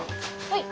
はい。